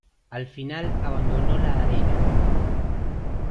Al final abandonó la arena.